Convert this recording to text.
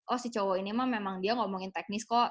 oh si cowok ini emang dia ngomongin teknis kok